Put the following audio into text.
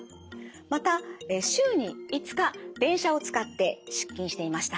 また週に５日電車を使って出勤していました。